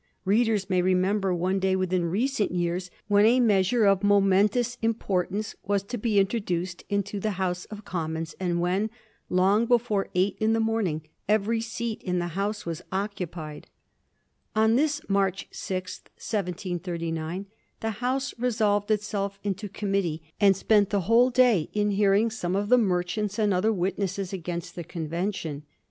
Readers may remember one day within recent yeai*s when a measure of momentous impor tance was to be introduced into the House of Commons, and when, long before eight in the morning, every seat in the House was occupied. On this March 6, 1739, the House resolved itself into committee, and spent the whole 1789. HORATIO WALPOLE»S PREDICTION. m day in hearing some of the merchants and other witnesses against the convention.